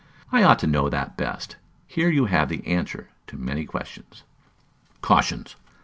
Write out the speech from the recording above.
I ought to know that best. Here you have the answer to many strange questions. _Cautions.